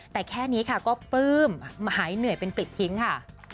แต่แค่นี้ค่ะก็ปลื้มหายเหนื่อยเป็นปลิดทิ้งค่ะ